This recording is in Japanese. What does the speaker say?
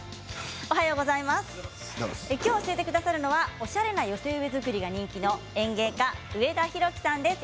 きょう教えてくださるのはおしゃれな寄せ植え作りが人気の園芸家、上田広樹さんです。